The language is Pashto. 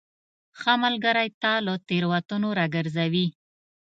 ښه ملګری تا له تیروتنو راګرځوي.